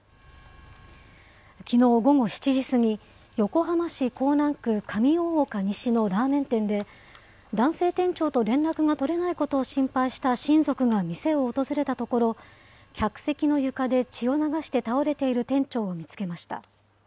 きのう午後７時過ぎ、横浜市港南区上大岡西のラーメン店で、男性店長と連絡が取れないことを心配した親族が店を訪れたところ、客席の床で血を流して倒れている店長を見つけました。